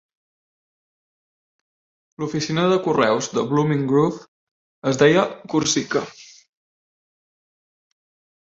L'oficina de correus de Blooming Grove es deia Corsica.